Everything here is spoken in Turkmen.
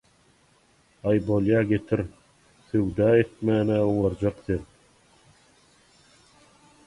– Aý bolýa getir. Söwda etmän-ä oňarjak sen.